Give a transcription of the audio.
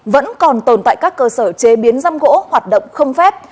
vẫn còn tồn tại các cơ sở chế biến răm gỗ hoạt động không phép